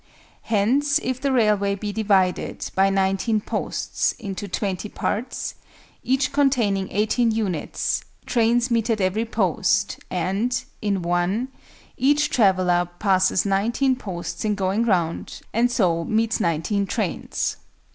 Hence if the railway be divided, by 19 posts, into 20 parts, each containing 18 units, trains meet at every post, and, in (1), each traveller passes 19 posts in going round, and so meets 19 trains.